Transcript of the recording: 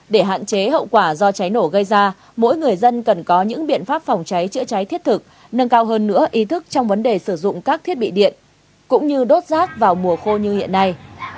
để hạn chế hậu quả do cháy nổ gây ra mỗi người dân cần có những biện pháp phòng cháy chữa cháy thiết thực nâng cao hơn nữa ý thức trong vấn đề sử dụng các thiết bị điện cũng như đốt rác vào mùa khô như hiện nay